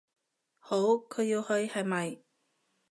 好，佢要去，係咪？